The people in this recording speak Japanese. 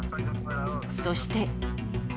そして。